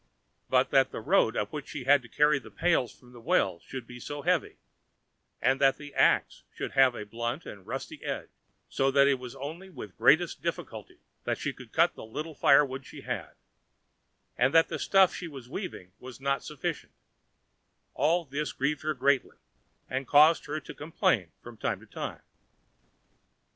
But that the road up which she had to carry the pails from the well should be so heavy; and that the ax should have such a blunt and rusty edge, so that it was only with the greatest difficulty that she could cut the little firewood she had; and that the stuff she was weaving was not sufficient—all this grieved her greatly, and caused her to complain from time to time.